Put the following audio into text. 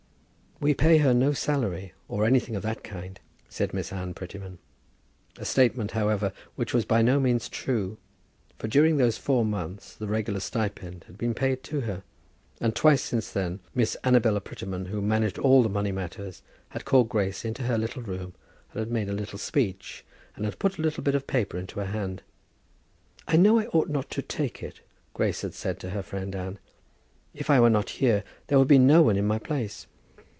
"We pay her no salary, or anything of that kind," said Miss Anne Prettyman; a statement, however, which was by no means true, for during those four months the regular stipend had been paid to her; and twice since then, Miss Annabella Prettyman, who managed all the money matters, had called Grace into her little room, and had made a little speech, and had put a little bit of paper into her hand. "I know I ought not to take it," Grace had said to her friend Anne. "If I was not here, there would be no one in my place."